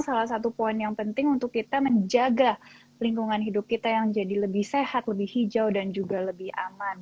salah satu poin yang penting untuk kita menjaga lingkungan hidup kita yang jadi lebih sehat lebih hijau dan juga lebih aman